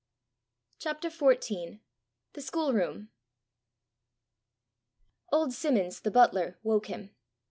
CHAPTER XIV. THE SCHOOLROOM. Old Simmons, the butler, woke him.